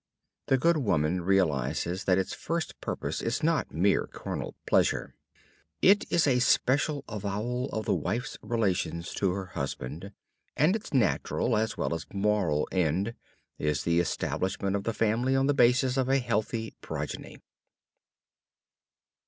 The good woman realizes that its first purpose is not mere carnal pleasure. It is a special avowal of the wife's relations to her husband, and its natural as well as moral end is the establishment of the family on the basis of a healthy progeny.